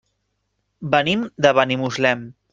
Venim de Benimuslem.